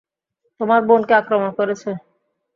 তোমার বোনকে আক্রমণ করেছে।